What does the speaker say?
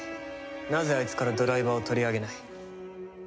なぜあいつからドライバーを取り上げない？